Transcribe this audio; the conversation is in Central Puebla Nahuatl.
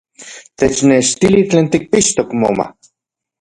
¡Technechtili tlen tikpixtok moma!